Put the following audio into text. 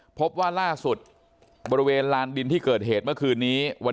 พบว่าล่าสุดบริเวณลานดินที่เกิดเหตุเมื่อคืนนี้วัน